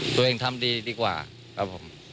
ตัวเองทำดีดีกว่าครับผม